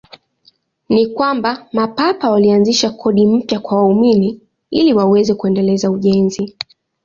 Ni kwamba Mapapa walianzisha kodi mpya kwa waumini ili waweze kuendeleza ujenzi.